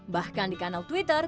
bahkan di kanal twitter